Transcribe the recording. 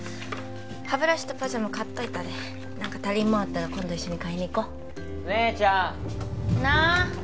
歯ブラシとパジャマ買っといたで何か足りんもんあったら今度一緒に買いに行こう姉ちゃん何？